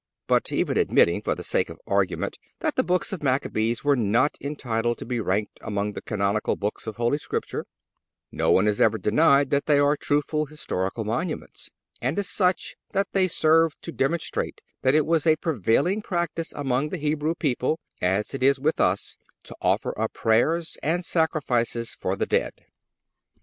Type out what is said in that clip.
But even admitting, for the sake of argument, that the Books of Machabees were not entitled to be ranked among the canonical Books of Holy Scripture, no one, at least, has ever denied that they are truthful historical monuments, and as such that they serve to demonstrate that it was a prevailing practice among the Hebrew people, as it is with us, to offer up prayers and sacrifices for the dead.